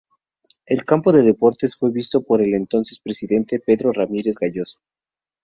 El campo de deportes fue visto por el entonces presidente Pedro Ramírez Gayoso.